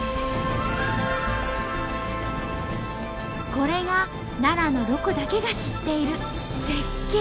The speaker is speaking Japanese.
これが奈良のロコだけが知っている絶景！